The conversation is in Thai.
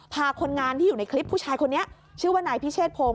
คนงานที่อยู่ในคลิปผู้ชายคนนี้ชื่อว่านายพิเชษพงศ